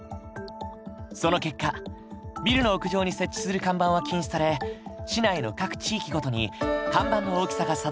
その結果ビルの屋上に設置する看板は禁止され市内の各地域ごとに看板の大きさが定められた。